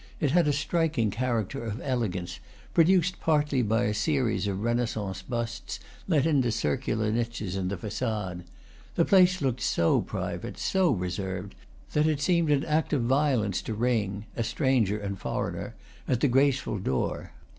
It had a striking character of elegance, produced partly by a series of Renaissance busts let into circular niches in the facade. The place looked so private, so reserved, that it seemed an act of violence to ring, a stranger and foreigner, at the graceful door.